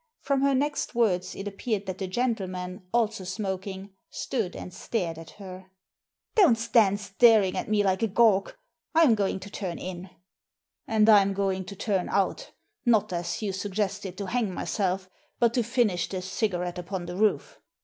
From her next words it appeared that the gentleman, also smoking, stood and stared at her. Digitized by VjOOQIC THE HOUSEBOAT 279 ^ Don't stand staring at me like a gawk. Fm going to turn in.*' "And I'm going to turn out Not, as you sug gested, to hang myself, but to finish this cigarette upon the roof.